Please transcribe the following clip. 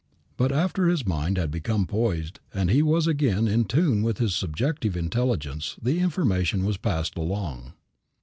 But after his mind had become poised and he was again in tune with his subjective intelligence the information was passed along.